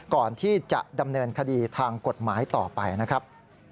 ก่อนที่จะดำเนินคดีทางกฎหมายต่อไปนะครับ